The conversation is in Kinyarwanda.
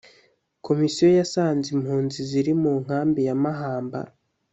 Komisiyo yasanze impunzi ziri mu nkambi ya mahamba